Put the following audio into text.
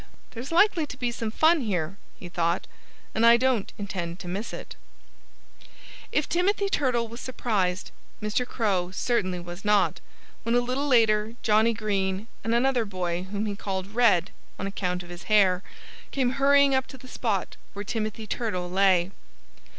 "There's likely to be some fun here," he thought, "and I don't intend to miss it." If Timothy Turtle was surprised, Mr. Crow certainly was not, when a little later Johnnie Green and another boy whom he called "Red" (on account of his hair) came hurrying up to the spot where Timothy Turtle lay.